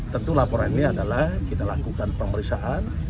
tentu laporan ini adalah kita lakukan pemeriksaan